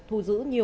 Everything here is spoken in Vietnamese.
thu giữ nhiều